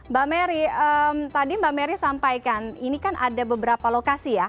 mbak mary tadi mbak mary sampaikan ini kan ada beberapa lokasi ya